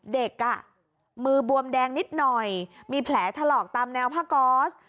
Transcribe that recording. เด็กมือบวมแดงนิดหน่อยมีแผลถลอกตามแนวผ้าก๊อส